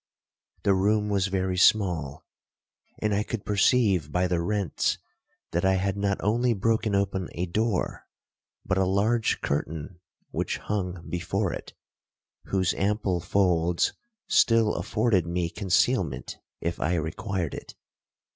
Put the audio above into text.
'The room was very small; and I could perceive by the rents, that I had not only broken open a door, but a large curtain which hung before it, whose ample folds still afforded me concealment if I required it.